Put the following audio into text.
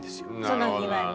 その日はね。